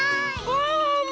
ワンワンも！